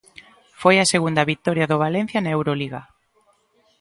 Foi a segunda vitoria do Valencia na Euroliga.